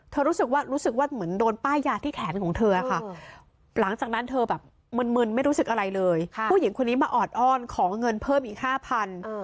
เธอรู้สึกว่ารู้สึกว่าเหมือนโดนป้ายยา